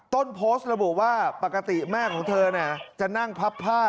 ต้นโพสต์ระบุว่าปกติแม่ของเธอจะนั่งพับผ้า